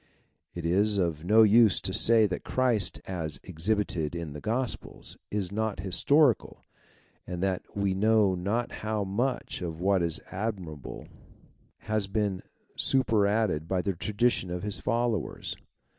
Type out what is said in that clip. It is of no use to say tliatTJKrist as exhibited in the Gospels is not historical and that we know not how much of what is admirable Eas been superadded by the tradition of his followers.